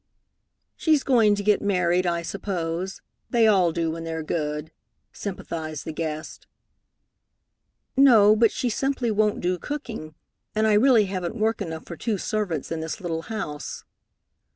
"She's going to get married, I suppose. They all do when they're good," sympathized the guest. "No, but she simply won't do cooking, and I really haven't work enough for two servants in this little house."